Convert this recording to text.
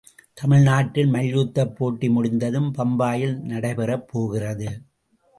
தமிழ்நாட்டில் மல்யுத்தப்போட்டி முடிந்ததும் பம்பாயில் நடைபெறப்போகிறது.